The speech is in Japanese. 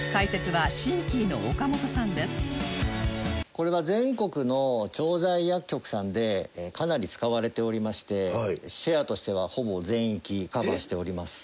これは全国の調剤薬局さんでかなり使われておりましてシェアとしてはほぼ全域カバーしております。